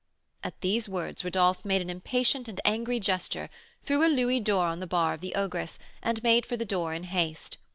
At these words Rodolph made an impatient and angry gesture, threw a louis d'or on the bar of the ogress, and made for the door in haste.